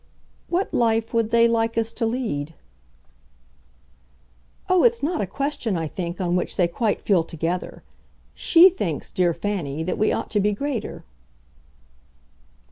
"What life would they like us to lead?" "Oh, it's not a question, I think, on which they quite feel together. SHE thinks, dear Fanny, that we ought to be greater."